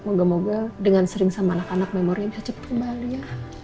moga moga dengan sering sama anak anak memori yang bisa cepet kembali ya